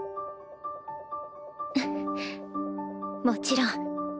もちろん。